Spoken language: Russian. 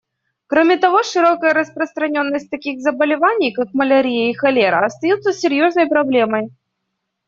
Кроме того, широкая распространенность таких заболеваний, как малярия и холера, остается серьезной проблемой.